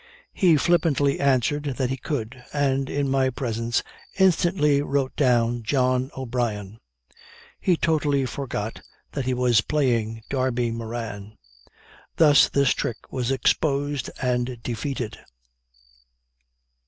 He flippantly answered that he could, and in my presence instantly wrote down 'John O'Brien' he totally forgot that he was playing Darby Moran. Thus this trick was exposed and defeated."